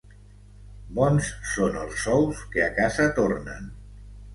Bons són els sous que a casa tornen.